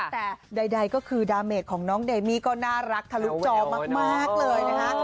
แต่ใดก็คือดาเมดของน้องเดมี่ก็น่ารักทะลุจอมากเลยนะคะ